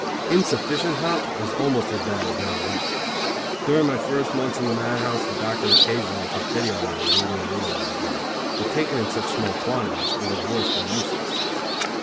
Insufficient hop is almost as bad as none at all. During my first months in the madhouse, the doctor occasionally took pity on me and gave me a little of the drug, but taken in such small quantities it was worse than useless.